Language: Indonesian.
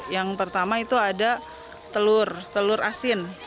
yang pertama itu ada telur telur asin